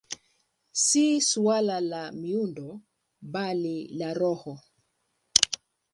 Si suala la miundo, bali la roho.